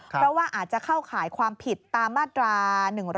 เพราะว่าอาจจะเข้าข่ายความผิดตามมาตรา๑๑๒